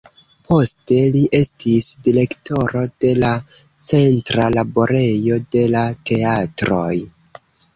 Poste li estis direktoro de la Centra Laborejo de la Teatroj.